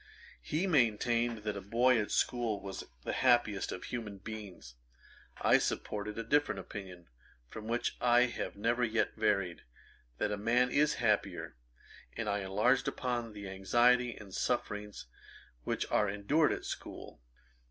He maintained that a boy at school was the happiest of human beings. I supported a different opinion, from which I have never yet varied, that a man is happier; and I enlarged upon the anxiety and sufferings which are endured at school.